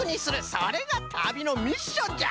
それが旅のミッションじゃ！